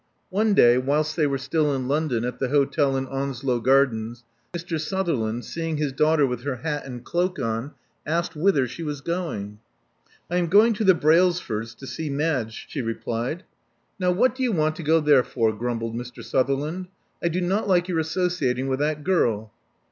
One day, whilst they were still in London at the hotel in Onslow Gardens, Mr. Sutherland, seeing his daughter with her hat and cloak on, asked whither she was going. I am going to the Brailsfords', to see Madge," she replied. Now what do you want to go there for?" grumbled Mr. Sutherland. I do not like your associating with that girl."